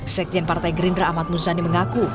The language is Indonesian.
sekjen partai gerindra ahmad muzani mengaku